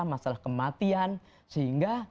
masalah kematian sehingga